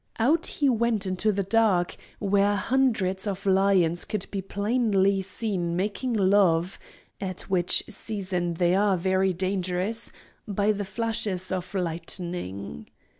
Out he went into the dark, where hundreds of lions could be plainly seen making love (at which season they are very dangerous) by the flashes of lightning.